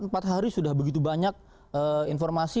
empat hari sudah begitu banyak informasi